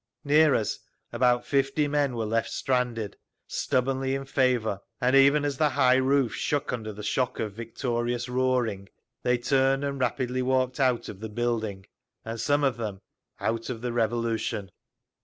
Near us about fifty men were left stranded, stubbornly in favour, and even as the high roof shook under the shock of victorious roaring, they turned and rapidly walked out of the building—and, some of them, out of the Revolution….